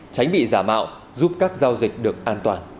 tránh bị giả mạo giúp các giao dịch được an toàn